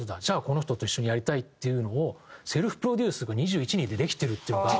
じゃあこの人と一緒にやりたいっていうのをセルフプロデュースが２１２２でできてるっていう。